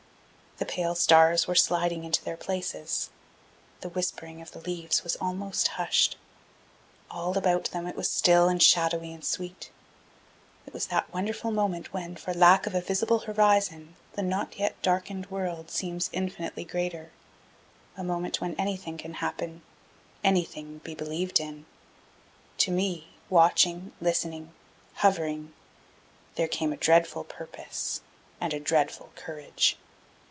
The pale stars were sliding into their places. The whispering of the leaves was almost hushed. All about them it was still and shadowy and sweet. It was that wonderful moment when, for lack of a visible horizon, the not yet darkened world seems infinitely greater a moment when anything can happen, anything be believed in. To me, watching, listening, hovering, there came a dreadful purpose and a dreadful courage.